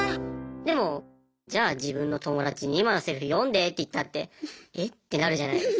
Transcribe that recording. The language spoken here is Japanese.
でもじゃあ自分の友達に今のセリフ読んでって言ったってえ？ってなるじゃないですか。